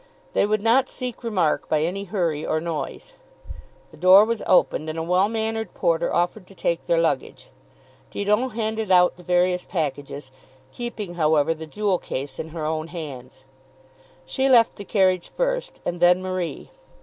They would not seek remark by any hurry or noise. The door was opened, and a well mannered porter offered to take their luggage. Didon handed out the various packages, keeping however the jewel case in her own hands. She left the carriage first, and then Marie.